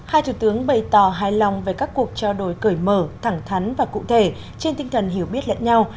hai thủ tướng bày tỏ hài lòng về các cuộc trao đổi cởi mở thẳng thắn và cụ thể trên tinh thần hiểu biết lẫn nhau